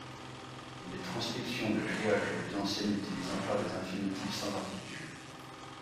Les transcriptions de créole les plus anciennes utilisent encore des infinitifs sans particules.